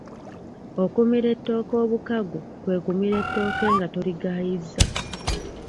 Okumira ettooke obukago kwe kumira ettooke nga toligaayizza